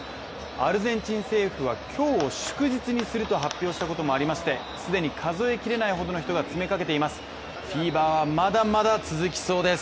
アルゼンチン政府は、今日を祝日にすると発表したこともありまして既に数え切れないほどの人が詰めかけています。